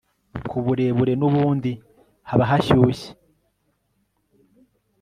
kuburebure nubundi haba hashyushye